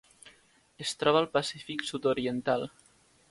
Es troba al Pacífic sud-oriental.